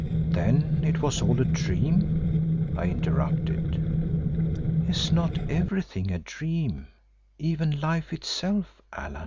"Then it was all a dream?" I interrupted. "Is not everything a dream, even life itself, Allan?